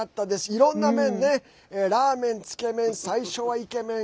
いろんなメンラーメン、つけ麺最初はイケメン。